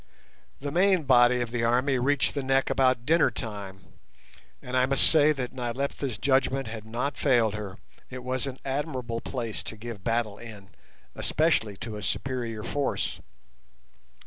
The main body of the army reached the neck about dinner time, and I must say that Nyleptha's judgment had not failed her, it was an admirable place to give battle in, especially to a superior force.